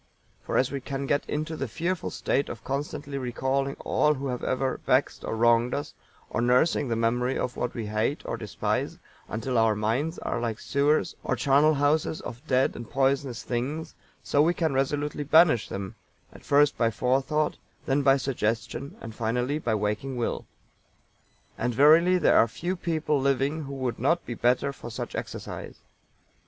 For as we can get into the fearful state of constantly recalling all who have ever vexed or wronged us, or nursing the memory of what we hate or despise, until our minds are like sewers or charnel houses of dead and poisonous things, so we can resolutely banish them, at first by forethought, then by suggestion, and finally by waking will. And verily there are few people living who would not be the better for such exercise.